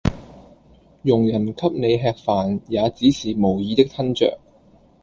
佣人給你吃飯也只是無意的吞著